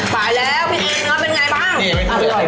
ไปแล้วพี่เอเนื้อเป็นไงบ้าง